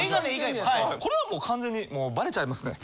これはもう完全にバレちゃいますね。